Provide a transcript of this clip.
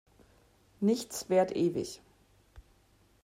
Nichts währt ewig.